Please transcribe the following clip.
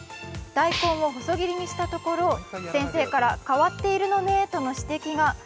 大根を細切りにしたところ、先生から「変わっているのねえ」との指摘が。